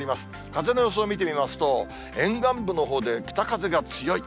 風の予想を見てみますと、沿岸部のほうで北風が強い。